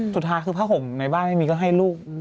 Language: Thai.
สุดท้าคือผ้าห่มในบ้านก็ให้ลูก